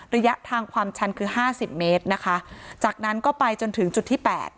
ระยะทางความชันคือห้าสิบเมตรนะคะจากนั้นก็ไปจนถึงจุดที่แปด